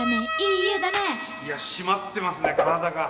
いや締まってますね体が。